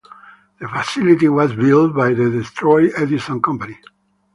The facility was built by the Detroit Edison Company.